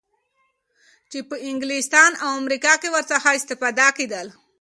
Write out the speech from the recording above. چی په انګلستان او امریکا کی ورڅخه اسفتاده کیدل